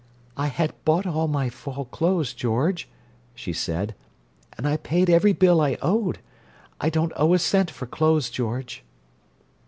"I had bought all my fall clothes, George," she said; "and I paid every bill I owed. I don't owe a cent for clothes, George."